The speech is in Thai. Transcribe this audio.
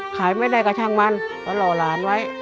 ขายไม่ได้ก็ช่างมันแล้วรอหลานไว้